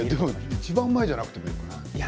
いちばん前じゃなくてもよくない？